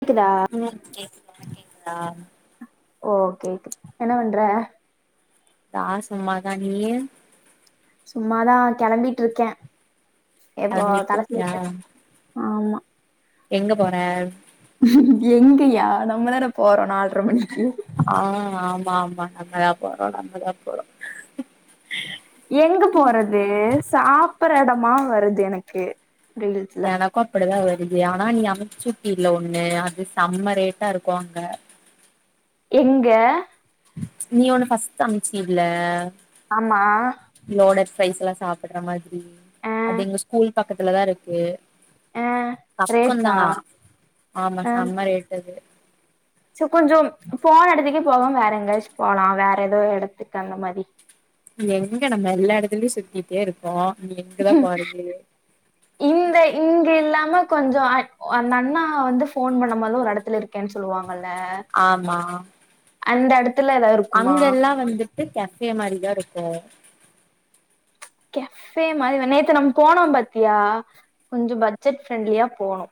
இருக்குதா ம் கேக்குது ஒனக்கு கேக்குதா ஓகே ஓகே என்ன வண்ற நா சும்மாதா நீயு சும்மாதா கெளம்பீட்ருக்க எப்போ தல சீவி கெளம்பிட்ருக்கியா ஆமா எங்க போர எங்கயா நம்ம தான போரோ நால்ர மணிக்கு ஆ ஆமா ஆமா நம்மதா போறோ நம்மதா போறோ எங்க போறது சாப்பட்ற எடமா வருது எனக்கு ரீல்ஸ்ல கோப்டவா தா வருவியா ஆனா நீ அமிச்சு உட்டில ஒண்ணு அது செம்ம ரேட்டா இருக்கு அங்க எங்க நீ ஒண்ணு பஸ்ட்டு அமிச்சீல ஆமா நோனஸ் ஃபைஸ்ல்லா சாப்டுற மாதிரி ஆ அது எங்க ஸ்கூல் பக்கத்துல தா இருக்கு ஆ பக்கொந்தா ரேட்டா ஆமா செம்ம ரேட் அது சேர் கொஞ்சம் போன எடத்துக்கே போகாம வேற எங்காச்சு போலா வேற எதோ எடத்துக்கு அந்த மாரி எங்க நம்ம எல்லா எடத்துலயு சுத்திட்டே இருக்கோ இனி எங்கதா போறது [unintelligible] இந்த இங்க இல்லாம கொஞ்சோ அ அந்த அண்ணா வந்து ஃபோன் பண்ணும்போது ஒரு எடத்துல இருக் கேனு சொல்லுவாங்கல்ல ஆமா அந்த எடத்துல எதா ஒரு அங்கெல்லா வந்துட்டு கேஃபே மாரிதா இருக்கு கேஃபே மாரி வேனா நேத்து நம்ம போனோ பாத்தியா கொஞ்சோ பட்ஜெட் ஃப்ரெண்ட்லியா போணு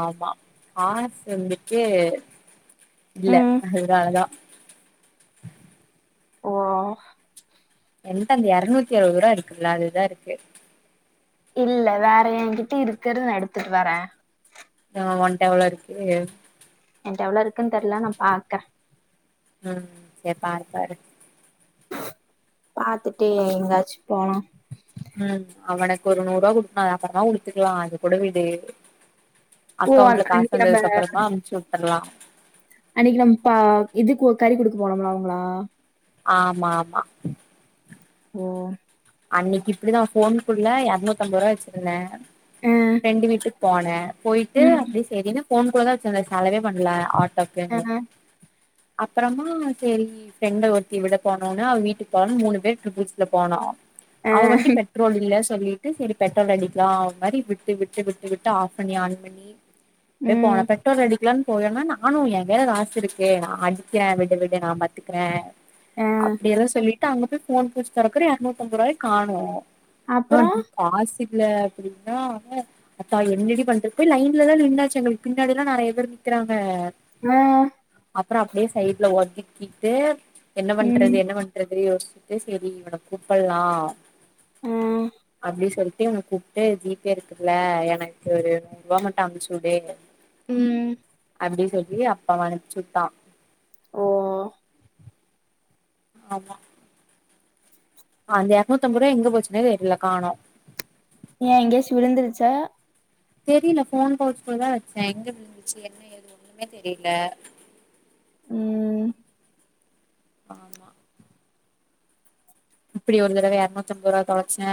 ஆமா காசு வந்துட்டு இல்ல ம். அதுனாலதா ஓ என்ட அந்த எரநூத்தி அறுவதுருவா இருக்குல்ல அதுதா இருக்கு இல்ல வேற என்கிட்ட இருக்ற நா எடுத்துட்டு வர ஆ ஒன்ட எவ்ளோ இருக்கு என்ட எவ்ளோ இருக்குனு தெர்ல நா பாக்க ம் சேர் பாரு பாரு பாத்துட்டு எங்காச்சு போலா ம் அவனுக்கு ஒரு நூறுவா குடுக்கணு அத அப்பறமா குடுத்துக்லா அது கூட விடு ஓ! அக்கௌண்ட்ல அன்- காசு அன்னைக்கு நம்ம வந்ததுக்கு அப்பறமா அமுச்சு உட்ரலா அன்னைக்கி நம் பா இதுக்கு கறி குடுக்க போனோம்ல அவுங்ளா ஆமா ஆமா ஓ அன்னைக்கி இப்டிதா ஃபோன்குள்ள எரநூத்தம்பதுருவா வச்சிருந்த அ, ஃப்ரெண்டு வீட்டுக் போனே போயிட்டு ம், அப்டியே சேரின்னு ஃபோனுக்குள்ளதா வச்சிருந்தே செலவே பண்ணல அ, ஆட்டோக்குனு அப்பறமா சேரி ஃப்ரெண்ட ஒருத்தி விட போனுன்னு அவ வீட்டுக் போணுன்னு மூணு பேரு ட்ரிபுல்ஸ் ல போனோ அ, அவ வண்டி பெட் ரோல் இல்ல சொல்லிட்டு செரி பெட்ரோல் அடிக்கலா ஒரு மாரி விட்டு விட்டு விட்டு விட்டு ஆஃப் பண்ணி ஆன் பண்ணி அப்டியே போனோ ம், பெட்ரோல் அடிக் லனு போலனா நானு எ கைல காசு இருக்கு நா அடிக்கிறே விடு விடு நா பாத்துக்கிறே அ, அப்டியெல்லா சொல்லிட்டு அங்க போய் ஃபோன் பவுச் தொரக்குற இரநூத்தம்பது ரூபாய காணோ ஆ அப்புறம்? நீ காசு இல அப்டின்னா ஆ ஆத்தா என்னடி பண்றது லைன்லதா நின்னாச்சு எங்களுக்கு பின்னாடில்லா நெறைய பேர் நிக்கிறாங்க ஆ அப்ற அப்டியே சைட்ல ஒதுக்கிட்டு என்ன பண்றது ம் என்ன பண் றது யோசிச்சுட்டு செரி இவன கூப்பல்லா ஆ அப்டி சொல் லி கூப்டு ஜீப்பே இருக்குல எனக்கு ஒரு நூறுவா மட்டு அமுச்சு விடு ம் அப்டின்னு சொல்லி அப்ப அவ அனுப்ச்சுட்டா ஓ ஆமா அந்த இரநூத்தம்பது ரூவா எங்க போச்சுனே தெர்ல காணோ ஏ எங்கயாச்சு விழுந்துருச்சா தெரில ஃபோன் பவுச் குள்ள தா வச்சே எங்க விழுந்துச்சு என்ன ஏது ஒண்ணுமே தெரியல ம்ம்ம் ஆமா இப்டி ஒரு தடவ இரநூத்தம்ப ரூவா தொலச்சே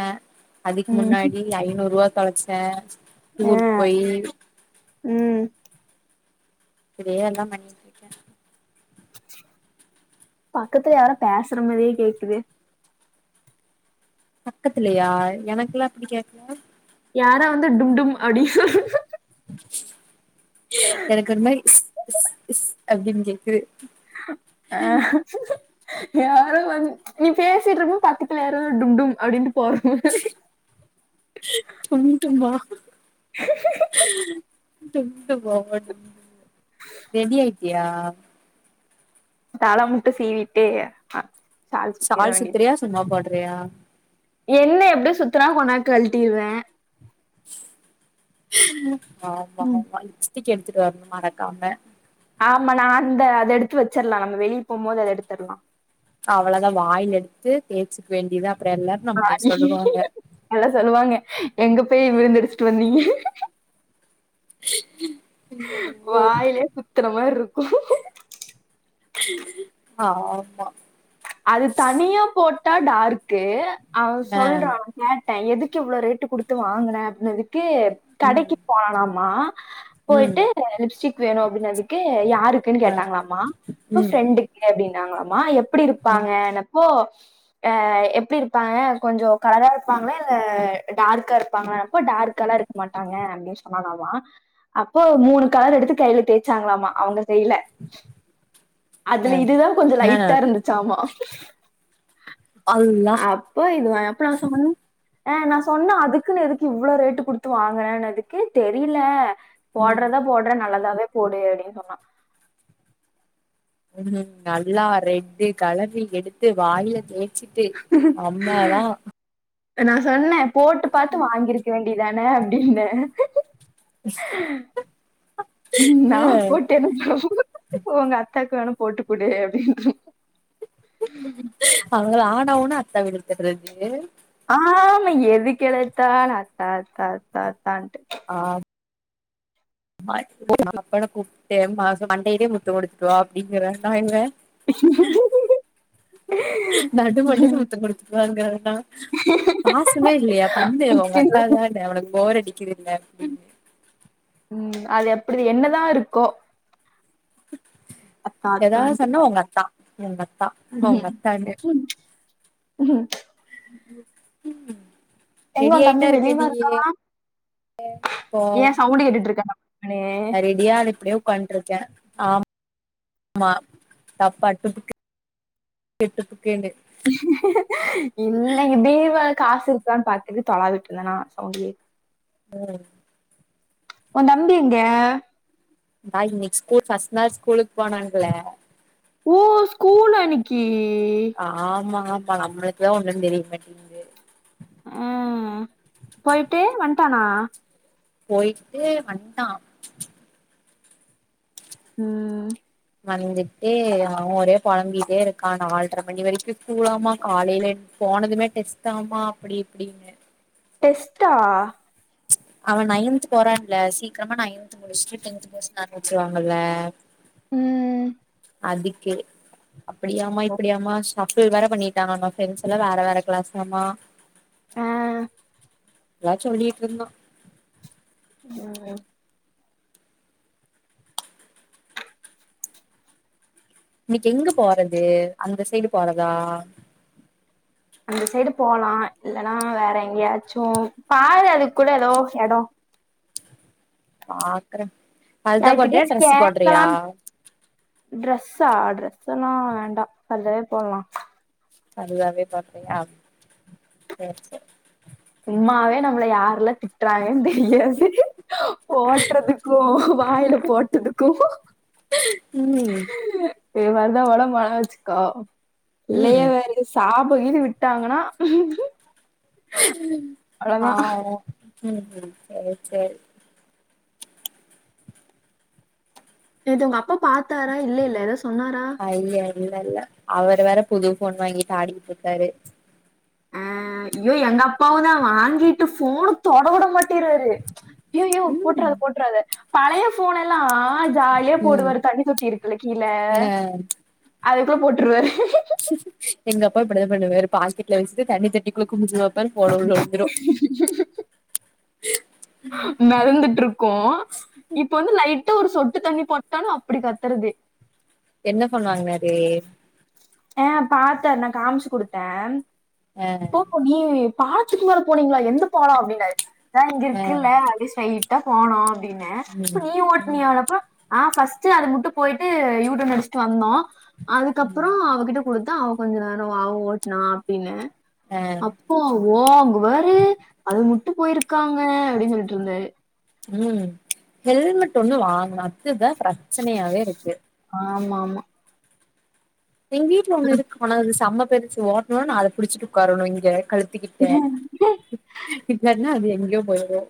அதுக்கு ம் முன்னாடி ஐநூ ரூவா தொலச்சே ஆ டூருக்கு போயி ம் இப்டியே எல்லா பண்ணிகிட்ருக்கே பக்கத்துல யாரோ பேசுற மாரியே கேக்குது பக்கத்துலியா எனக்குலா இப்டி கேக்குல யாரோ வந்து டும் டும் அப்டின் எனக்கு ஒரு மாரி ஸ் ஸ் ஸ் அப்டின்னு கேக்குது ஆ யாரோ வந்து நீ பேசிட்டு இருக்கு போது பக்கத்துல யாரோ வந் டும் டும் அப்டின்ட்டு போற மாரி டும் டும்மா டும் டும்மா [inaudible] ரெடி ஆய்டியா தல மட்டு சீவிட்டு அ சுத்திர சால் வேண்டி சுத்துறியா சும்மா போடுறியா என்ன எப்டி சுத்துனா கொஞ்சோ நேரத்துல கழட்டிருவே ஆமா ம் ஆமா லிப்ஸ்டிக் எடுத்துட்டு வர்ணு மறக்காம ஆமா நா அந்த அத எடுத்து வச்சிற்லா நம்ம வெளிய போம்போது அத எடுத்தர்ல அவ்ளோதா வாயில எடுத்து தேய்சுக்க வேண்டியது அப்றோ எல்லாரு ஆ, நம்மளே சொல்லுவாங்க நல்லா சொல்லுவாங்க எங்க போய் விழுந்தடிச்சுட்டு வந்தீங்க ஐயோ வாய்லே குத்துற மாரி இருக்கு ஆமா அது தனியா போட்டா டார்க்கு அவ ஆ சொல்றா கேட்டே எதுக்கு இவ்ளோ ரேட்டு குடுத்து வாங்கின அப்டினதுக்கு கடைக்கு ம் போனானாமா ம் போய்ட்டு லிப்ஸ்டிக் வேணு அப்டினதுக்கு யாருக் க்குன்னு ஆ கேட்டாங்களாமா அப்ப ம் ப்ரெண்டுக்கு அப்டின்னாங்களாமா எப்டி ம் இருப்பாங்கன்னப்போ ஆ எப்டி இருப்பாங்க கொஞ்சோ கலரா இருப்பாங்களா இல்ல டார்க்கா இருப்பாங்களானப்போ டார்க்கலா இருக் மாட்டாங்க அப்டின்னு சொன்னானாமா அப்போ மூணு கலர் எடுத்து கையில தேய்ச்சாங்களாமா அவுங்க கைல ஆ அதுல இதுதா கொஞ்சோ ஆ லைட்டா இருந்துச்சாமா அல்லா அப்போ இதுவேணா அப்றோ எத சொல்லணு ஆ நா சொன்னே அதுக்குன்னு எதுக்கு இவ்ளோ ரேட்டு குடுத்து வாங்குனனுதுக்கு தெரியில ம் போடுறதா போடுற நல்லதாவே போடு அப்டின்னு சொன்னா உ நல்லா ரெட்டு கலறி எடுத்து வாயில தேச் ச்சுட்டு அம்மாதா நா சொன்னே போட்டு பாத்து வாங்கிருக்க வேண்டியதான அப்டின்னே நா அ போட் [unintelligible] உங்க அத்தாக்கு வேண போட்டுக்குடு அப்டின் அவுங்கள ஆன ஊன்னா அத்தாவ இழுத்துடுறது ஆமா எதுக் எடுத்தாலு அத்தா அத்தா அத்தா அத்தான்ட்டு ஆ [inaudible] அப்பன கூப்டே மாசோ மண்டையிலே முத்தம் குடுத்துட்டுவா அப்டிங்குறன்டா இவே அத்தான்ட்டு நடு மண்டையில முத்தோ குடுத்துட்டுவாங்குறன பாசமே இல்லையா பண்ணு ஒங்க அத்தாதான உனக்கு போர் அடிக்கிதுல்ல அப்டின் ம் அது எப்டி என்னதா இருக்கோ அத்தா எதாவுது சொன்னா உங்க அத்தா உங்க அத்தா உங்க உம் அத்தான்னு உம் உம் எங்க ரெடி உன் தம்பி ஆய்ட்டாருக்க நீயி இப்போ ஏ சவுண்டு கேட்டுட்ருக்கானா [unintelligible] விடியால இப்டியே ஒக்கான்ட்ருக்கே ஆ மா டப்பா டுபுக்கு ஏ டுப்புகேன்டு இன்னக்கி டீ வாங்க காசு இருக்கான் பாத்துட்டு தொலாவிட்ருந்தனா சவுண்டு ம் ஒ தம்பி எங்க அதா இன்னைக்கி ஸ்கூல் ஃபர்ஸ்ட் நாள் ஸ்கூலுக்கு போனான்ல ஓ ஸ்கூலா இன்னக்கி ஆமாப்பா நம்ளுக்கு தா ஒண்ணு தெரிய மாட்டி ஆ போய்ட்டு வன்ட்டானா போய்ட்டு வன்ட்டா ம் வந்துட்டு அவே ஒரே பொலம்பிட்டேருக்கா நால்ற மணி வரைக்கு ஸ்கூலாமா காலைல போனதுமே டெஸ்ட்டாமா அப்டி இப்டின்னு டெஸ்ட்டா அவே நைன்த்து போறான்ல சீக்ரமா நைன்த்து முடுச்சுட்டு டென்த்து போர்ஷன் ஆரம்பிச்சிருவாங்கல்ல ம் ம் அதுக்கு அப்டியாமா இப்டியாமா சஃப்ஃபுள் வேற பண்ணிட்டாங்கனா ஃப்ரெண்ட்ஸ்ஸெல்லா வேற வேற க்ளாஸ்ஸாமா ஆ எல்லா சொல்லிட்ருந்தா ம் ம் இன்னிக்கி எங்க போறது அந்த சைடு போறதா அந்த சைடு போலா இல்லன்னா வேற எங்கயாச்சு பாரு அதுக்கு கூட எதோ எடோ பாக்குற ஃபர்தா போட்றியா யார்கிட்டயாச்சு ட்ரெஸ்ஸு போட்றியா கேக்கலான் ட்ரெஸ்ஸா ட்ரெஸ்ஸெல்லா வேண்டா ஃபர்தாவே போட்லா ஃபர்தாவே போட்றியா சேர் சேரி சும்மாவே நம்மள யார்ல்லா திட்றாங்கன் தெரியாது ஓட்றது க்கு வாய்ல போட்டதுக்கு ம் இதே மார் தா ஒடம்பு அழகா வச்சுக்கோ இல்லயே ம் [unintelligible] சாபோ கீது விட்டாங்கன்னா ஆ அவ்ளோதா ம் சேர் சேரி நேத்து ஒங்க அப்பா பாத்தாரா இல்லெல்ல எதோ சொன்னாரா இல்லெல்ல அவர் வேற புது ஃபோன் வாங்கிட்டு ஆடிகிட்ருக்காரு ஆ ஐயோ எங்கப்பாவு தா வாங்கிட்டு ஃபோன தொட விடமா ட்டிராரு அய்யயோ ம் போட்றாத போட்றாத பழைய ஃபோனெல்லா ஆ ஜாலியா ம் போடுவாரு தண்ணி தொட்டி இருக்குல்ல கீழ ஆ அதுக்குள்ள போட்ருவாரு எங்கப்பா இப்டிதா பண்ணுவாரு பாக்கெட்ல வச்சுட்டு தண்ணி தொட்டிக்குள்ள குனுஞ்சு பாப்பாரு ஃபோன உள்ள வுழுந்துரு ச்சு ஹிம் மெதந்துட்ருக்கு இப்ப வந்து லைட்டா ஒரு சொட்டு தண்ணி பட்டாலு அப்டி கத்தறது என்ன ஃபோன் வாங்னாரு அ பாத்தே நா காம்ச்சு குடுத்தேன் அ சூப்பர் நீ பாலத்துக்கு மேல போனீங்களா எந்த பாலோ அப்டினாரு இந்த இங்க ஆ இருக்குல அப்டி டைட்டா போனோ அப்டினே இப்ப ம் நீ ம் ஓட்னியா அப்ப ஆஹ் ஃபஸ்ட்டு அது முட்டு போயிட்டு யூட்டன் அடுசுட்டு வந்தோ ம் அதுக்கப்பறோ அவகிட்ட குடுத்தா அவ கொஞ்ச நேரோ அவ ஓட்னா அப்டினே ஆ அப் ஓ ஓ அங்கபாரு அது முட்டு போயிருக்காங்க அப்டினு சொல்ட்டுருந்தாரு ம் ஹெல்மெட் ஒண்ணு வாங்கனு அதுதா ப்ரெச்சனயாவே இருக்கு ஆமா மா எங்க வீட்ல ஒண்ணு இருக்கு ஆனா அது செம்ம பெருசு ஓட்னுனு அத புடிச்சிட்டு உட்காரனு இங்க கழு த்துகிட்ட இல்லாட்னா அது எங்கேயோ போயோ போயோ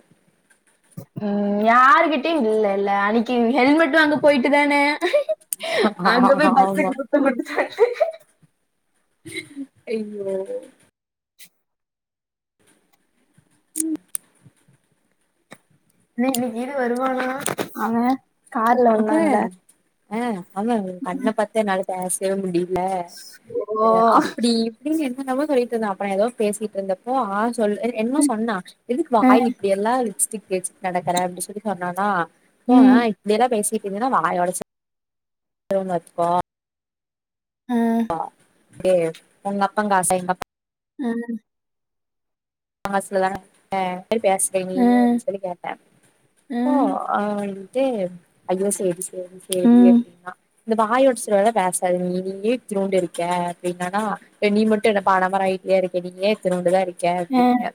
ம் யாருகிட்டயு இல்லல்ல அன்னைக்கி ஹெல்மெட் வாங்க போயிட்டு தான அங்க போய் ஆமா பஸ்ஸுக்கு முத்தோ குடுத்துடாரு அய்யோ உம் னே இன்னைக்கிகீது வருவானா அவே அவே அ அவே கண்ண பாத்தே நாலு பேசவே முடில ஓ! அ அப்டி தீடீர்னு என்னன்னமோ சொல்லிட்டுருந்தா அப்பறோ எதோ பேசிட்டு இருந்தப்போ ஆ சொல்லு என்னமோ சொன்னா எதுக்கு அ, வாய் இப்டிய யெல்லா லிப்ஸ்டிக் தேச்சு கெடக்கற அப்டி சொல்லி சொன்னானா ஓ ம், ஹாய் இப்டியெல்லா பேசிட்டீருந்தனா வாய ஒடச்சுரு வுட்டுவே பாத்துகோ அ, ப்பா ஏ உங்க அப்பங்காசே எங்கப் ம் காசுலதே ஆஹ் இந்த மாரி பேசுவை அ, நீயு அப்டி சொல்லி கேட்டே அ, ஓ அ ட்டே அய்யோ சேரி சேரி சேரி ம், அப்டினா இந்த வாய ஒடச்சிவேலெல்லா பேசாது நீ நீயே இத்துனுண்டு இருக்க அப்டின்னானா அப்ப நீ மட்டு என்ன பானாமர அயிட்லயா இருக்க நீயே இத்துனுண்டு தா இருக்க அ, அப்டின்ய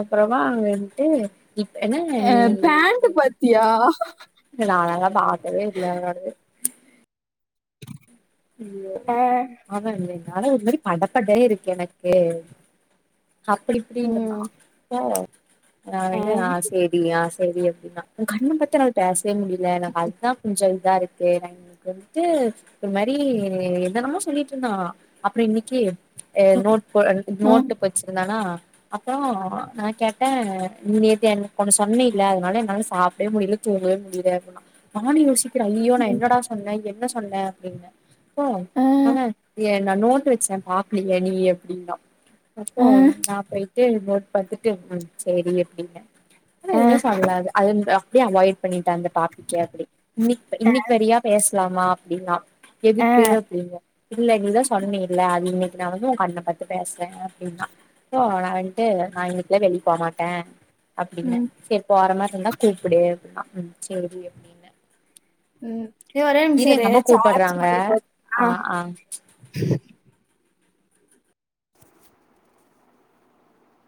அப்பறமா அங்க இருந்ன்ட்டு இப்ப என்ன நீ த்தியா இல்ல நானு அங்க பாக்கவே இல்ல அவனோடது ய்யியோ ஆ. அவே நானா இந்தமாரி படப்படே இருக்கு எனக்கு அப்டி இப்டின்ருந்தா ம், கோவோ வரு நா அ, அவேன்ட ஆ சேரி ஆ சேரி அப்டினா உ கண்ண பத்தனது பேசவே முடியல எனக்கு அதா கொஞ்சோ இதா இருக்கு நா எனக்கு வந்துட்டு ஒரு மாரி இப்டி என்னனமோ சொல்லிட்டுருந்தா அப்றோ இன்னைக்கி எ நோட் போ நோட்டு ம், பத் வச்சிருந்தானா அப்பறோ நா கேட்டே நேத்து எனக்கு ஒன்னு சொன்னீல அதனால என்னால சாப்டவே முடில தூங்கவே முடியல அப்டினா நானு யோசி க்கிறே அய்யோ நா ம், என்னடா சொன்னே என்ன சொன்னே அப்டின்னே போ அ, அவே எ நா நோட்டு வச்சே பாக்கலயா நீயி அப்டின்னா அப்போ அ, நா போய் டு நோட் பாத்துட்டு ம் சேரி அப்டின்னே நா அ. எதுமே சொல்லாது அது இந்த அப்டியே அவாய்ட் பண்ணிட்டே அந்த டாபிக்கே அப்டி இன்னைக் இன்னைக்கு வரியா பேசலாமா அப்டின்னா ஆ. எதுக்கு அப்டின்னே இல்ல நீ தா சொன்னீல அது இன்னை நா வந்து உ கண்ண பாத்து பேசுறே அப்டின்னா கயு நா வன்ட்டு நா இன்னைக்குல்லா வெளி போ மாட்டே அப்டின்னு ம். செரி போற மாரி இருந்தா கூப்புடு அப்டின்னா செரி அப்புடின் ம் ஏ ஒரே ஒரு நிம்ஷோ இரு எங்க அம்மா சார்ஜ் கூப்பட்றாங்க மட்டு ஆ போட்டுடேன்னா ஆ